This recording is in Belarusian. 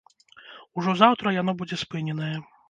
Ужо заўтра яно будзе спыненае.